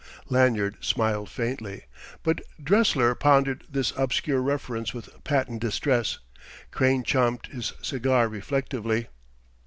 Lanyard smiled faintly, but Dressler pondered this obscure reference with patent distress. Crane champed his cigar reflectively.